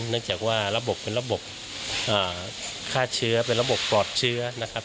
เนื่องจากว่าระบบเป็นระบบฆ่าเชื้อเป็นระบบปลอดเชื้อนะครับ